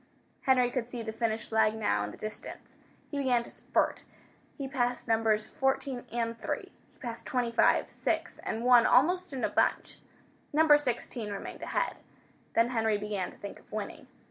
Henry could see the finish flag now in the distance. He began to spurt. He passed Numbers 14 and 3. He passed 25, 6, and 1 almost in a bunch. Number 16 remained ahead. Then Henry began to think of winning.